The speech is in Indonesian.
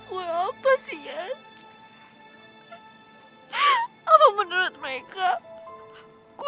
mereka udah ngatur hati gue